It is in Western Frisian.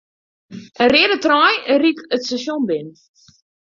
In reade trein ried it stasjon binnen.